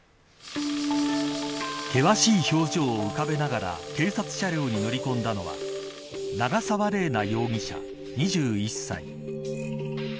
険しい表情を浮かべながら警察車両に乗り込んだのは長沢麗奈容疑者、２１歳。